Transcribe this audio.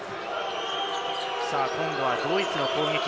今度はドイツの攻撃。